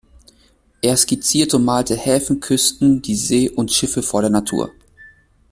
Er skizzierte und malte Häfen, Küsten, die See und Schiffe vor der Natur.